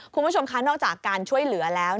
คุณผู้ชมคะนอกจากการช่วยเหลือแล้ว